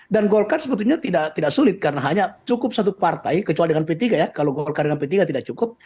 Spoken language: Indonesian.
dan golkar sebetulnya tidak sulit karena hanya cukup satu partai kecuali dengan p tiga ya kalau golkar dengan p tiga tidak cukup